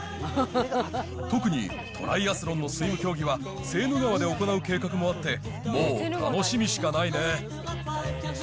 特にトライアスロンのスイム競技は、セーヌ川で行う計画もあって、もう楽しみしかないね。